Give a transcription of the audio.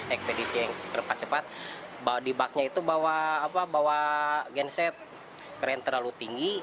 ekspedisi yang cepat cepat di baknya itu bawa genset keren terlalu tinggi